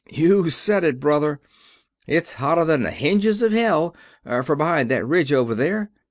"You said it, brother. It's hotter than the hinges of hell, from behind that ridge over there.